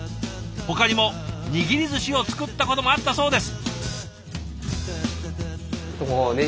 ほかにも握りずしを作ったこともあったそうです。